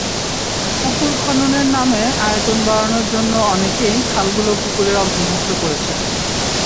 পুকুর খননের নামে আয়তন বাড়ানোর জন্য অনেকেই খালগুলো পুকুরের অন্তর্ভুক্ত করছেন।